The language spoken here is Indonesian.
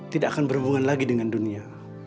tidak akan berhubungan lagi dengan dunia